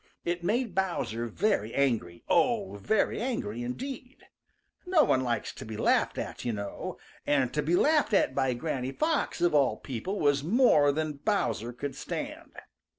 It made Bowser very angry. Oh, very angry indeed. No one likes to be laughed at, you know, and to be laughed at by Granny Fox of all people was more than Bowser could stand.